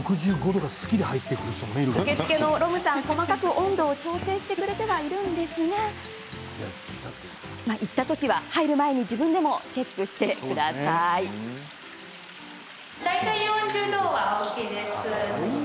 受付のロムさんが、細かく温度を調整してくれてはいるんですが行った時は、入る前に自分でもチェックしてみてくださいね。